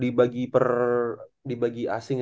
dibagi per dibagi asing